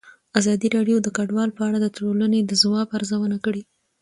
ازادي راډیو د کډوال په اړه د ټولنې د ځواب ارزونه کړې.